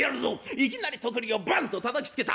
いきなり徳利をバンとたたきつけた。